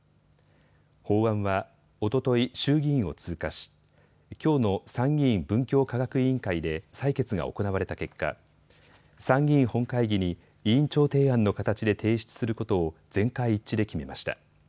法案は、おととい、衆議院を通過しきょうの参議院文教科学委員会で採決が行われた結果、参議院本会議に委員長提案の形で提出することを全会一致で決めました。